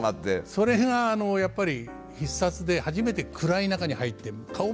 それがやっぱり「必殺」で初めて暗い中に入って顔も見えない。